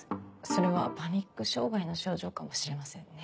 それはパニック障害の症状かもしれませんね。